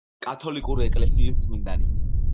კათოლიკური ეკლესიის წმინდანი.